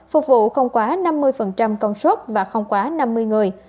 phục vụ không quá năm mươi công suất và không quá năm mươi người